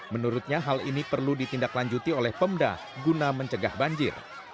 menurutnya hal ini perlu ditindaklanjuti oleh pemda guna mencegah banjir